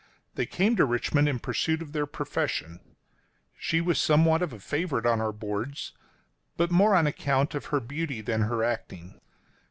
They came to Richmond in pursuit of their profession. She was somewhat of a favorite on our boards — but more on account of her beauty than her acting.